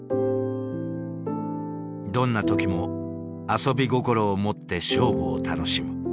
どんな時も「遊び心」を持って勝負を楽しむ。